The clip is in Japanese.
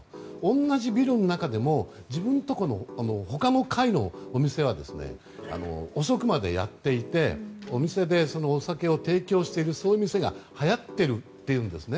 同じビルの中でも自分とこの他の階のお店は遅くまでやっていてお店でお酒を提供しているお店が流行っていると言うんですね。